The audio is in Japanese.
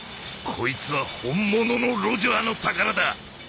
こいつは本物のロジャーの宝だ！